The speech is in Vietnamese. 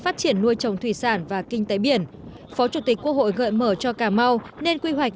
phát triển nuôi trồng thủy sản và kinh tế biển phó chủ tịch quốc hội gợi mở cho cà mau nên quy hoạch